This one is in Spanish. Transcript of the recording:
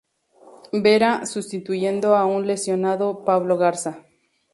Vera, sustituyendo a un lesionado Pablo Garza.